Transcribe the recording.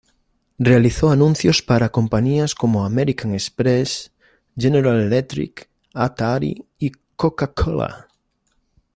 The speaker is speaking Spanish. Realizó anuncios para compañías como American Express, General Electric, Atari y Coca-Cola.